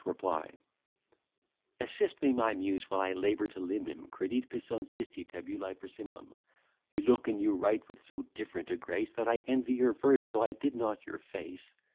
DELANY'S REPLY Assist me, my Muse, while I labour to limn him. Credite, Pisones, isti tabulae persimilem. You look and you write with so different a grace, That I envy your verse, though I did not your face.